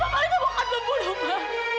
makanya bukan pembunuh ma